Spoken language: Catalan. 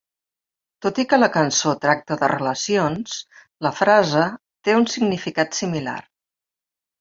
Tot i que la cançó tracta de relacions, la frase té un significat similar.